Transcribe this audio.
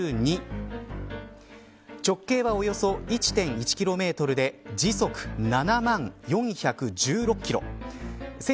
直径はおよそ１．１キロメートルで時速７万４１６キロ。